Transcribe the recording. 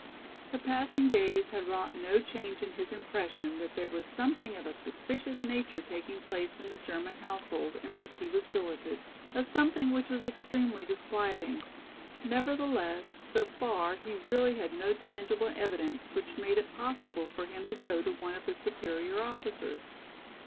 The passing days had wrought no change in his impression that there was something of a suspicious nature taking place in the German household in which he was billeted, a something which was extremely disquieting. Nevertheless, so far he really had no tangible evidence which made it possible for him to go to one of his superior officers.